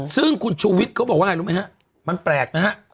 ซึ่งคุณชุวิกเค้าบอกว่าไงลูกมายังไหมมันแปลกนะครับ